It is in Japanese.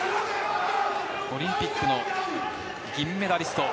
オリンピックの銀メダリスト。